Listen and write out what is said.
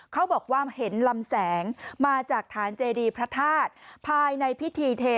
เขาบอกว่าเห็นลำแสงมาจากฐานเจดีพระธาตุภายในพิธีเท